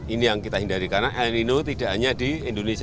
ini yang kita hindari karena el nino tidak hanya di indonesia